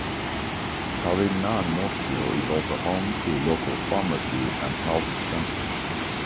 Tallinnanaukio is also home to local pharmacy and health center.